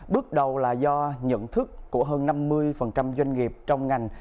bước đầu là do nhận thức của hơn năm mươi doanh nghiệp trong ngành